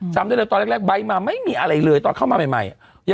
จำได้เลยตอนแรกไบท์มาไม่มีอะไรเลยตอนเข้ามาใหม่